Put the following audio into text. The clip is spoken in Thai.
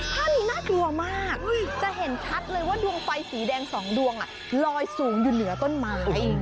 ภาพนี้น่ากลัวมากจะเห็นชัดเลยว่าดวงไฟสีแดง๒ดวงลอยสูงอยู่เหนือต้นไม้